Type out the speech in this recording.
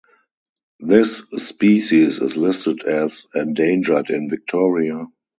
This species is listed as "endangered" in Victoria.